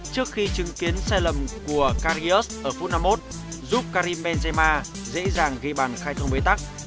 trước khi chứng kiến sai lầm của karius ở phút năm mươi một giúp karim benzema dễ dàng ghi bàn khai thông bế tắc